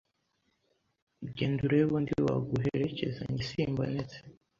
Genda urebe undi waguherekeza jye simbonetse.